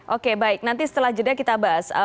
oke baik nanti setelah jeda kita bahas